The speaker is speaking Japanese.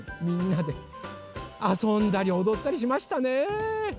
みんなであそんだりおどったりしましたね。